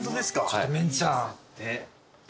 ちょっとメンちゃん。